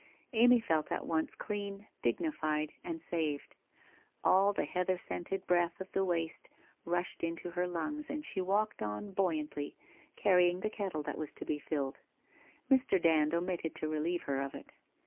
Amy felt at once clean, dignified, saved. All the heather scented breath of the waste rushed into her lungs and she walked on buoy antly, carrying the kettle that was to be filled. Mr. Dand omitted to relieve her of it.